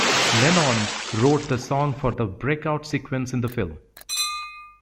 Lennon wrote the song for the "break-out" sequence in the film.